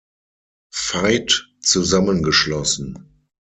Veit zusammengeschlossen.